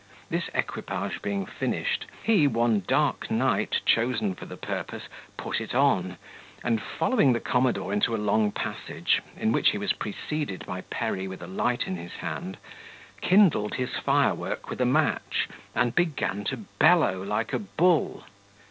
This equipage being finished, he, one dark night chosen for the purpose, put it on, and, following the commodore into a long passage, in which he was preceded by Perry with a light in his hand, kindled his firework with a match, and began to bellow like a bull.